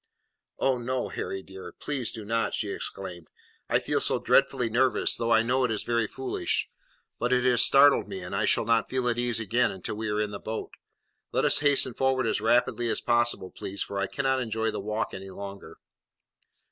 "Oh no, Harry, dear! please do not," she exclaimed; "I feel so dreadfully nervous, though I know it is very foolish. But it has startled me, and I shall not feel at ease again until we are in the boat. Let us hasten forward as rapidly as possible, please, for I cannot enjoy the walk any longer."